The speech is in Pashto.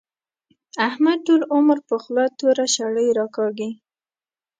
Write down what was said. احمد ټول عمر پر خوله توره شړۍ راکاږي.